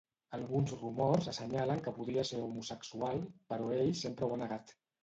Alguns rumors assenyalen que podria ser homosexual, però ell sempre ho ha negat.